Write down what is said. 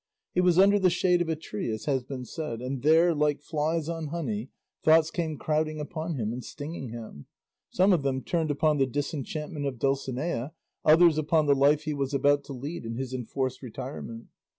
He was under the shade of a tree, as has been said, and there, like flies on honey, thoughts came crowding upon him and stinging him. Some of them turned upon the disenchantment of Dulcinea, others upon the life he was about to lead in his enforced retirement.